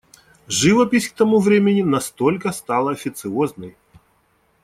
Живопись к тому времени настолько стала официозной.